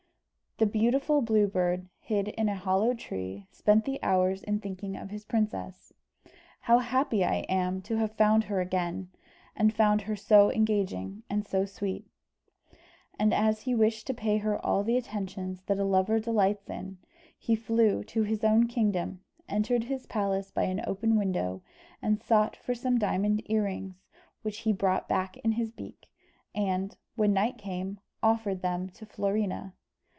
The beautiful Blue Bird, hid in a hollow tree, spent the hours in thinking of his princess. "How happy I am to have found her again, and found her so engaging and so sweet." And as he wished to pay her all the attentions that a lover delights in, he flew to his own kingdom, entered his palace by an open window, and sought for some diamond ear rings, which he brought back in his beak, and, when night came, offered them to Florina.